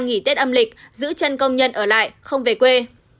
nghỉ tết âm lịch giữ chân công nhân ở lại không về quê